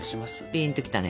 ピンと来たね。